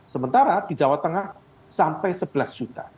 sementara di jawa tengah sampai sebelas juta